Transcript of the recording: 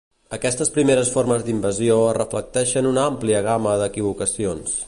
Aquestes primeres formes d'invasió reflecteixen una àmplia gama d'equivocacions.